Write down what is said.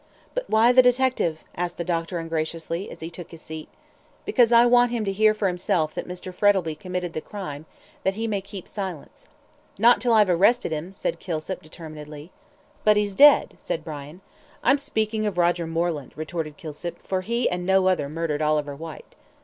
"But why the detective?" asked the doctor, ungraciously, as he took his seat. "Because I want him to hear for himself that Mr. Frettlby committed the crime, that he may keep silence." "Not till I've arrested him," said Kilsip, determinedly. "But he's dead," said Brian. "I'm speaking of Roger Moreland," retorted Kilsip. "For he and no other murdered Oliver Whyte."